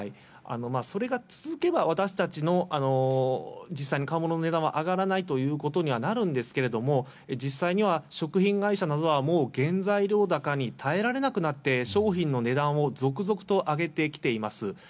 それが続けば、私たちの実際に買うものの値段は上がらないということにはなるんですが実際には、食品会社も原材料高に耐えられなくなって商品の値段を続々と上げてきています。